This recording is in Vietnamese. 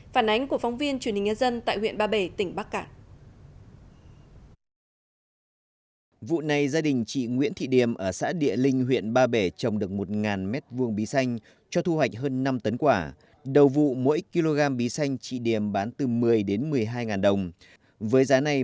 phản ánh của phóng viên truyền hình nhân dân tại quốc gia